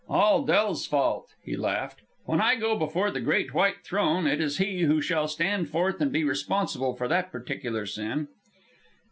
"All Del's fault," he laughed. "When I go before the great white throne, it is he who shall stand forth and be responsible for that particular sin."